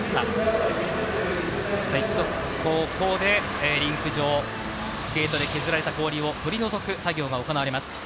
一度ここでリンク上、スケートで削られた氷を取り除く作業が行われます。